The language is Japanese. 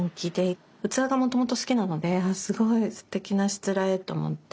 器がもともと好きなのですごいすてきなしつらえと思って